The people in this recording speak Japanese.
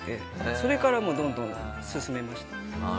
それからもうどんどん進めました。